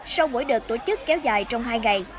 sau mỗi đợt tổ chức kéo dài trong hai ngày